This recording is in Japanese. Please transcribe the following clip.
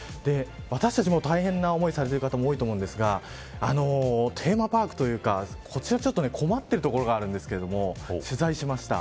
私たちも大変な思いをされている方多いと思うんですがテーマパークというかこちら、ちょっと困ってる所があるんですけど取材しました。